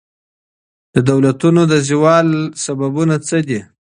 د دولتونو د زوال لاملونه څه دي؟